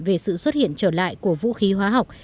về sự xuất hiện trở lại của vũ khí hóa học